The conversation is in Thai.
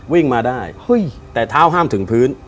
วิ่งมาได้แต่เท้าห้ามถึงพื้น